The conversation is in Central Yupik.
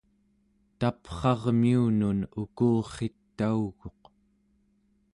taprarmiunun ukurritauguq